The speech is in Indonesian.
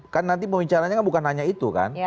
kan nanti pembicaranya bukan hanya itu kan